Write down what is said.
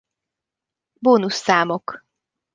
Bónusz számok